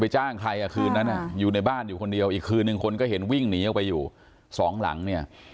หึงก็ตีตะบีบคออย่างนี้ครับ